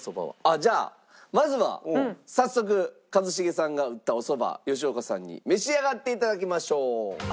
じゃあまずは早速一茂さんが打ったおそば吉岡さんに召し上がって頂きましょう。